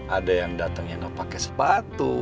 ada yang datengnya gak pake sepatu